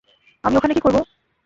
আমি ওখানে কী করবো?